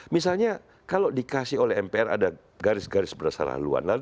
misalnya kalau dikasih oleh mpr ada garis garis berdasarkan haluan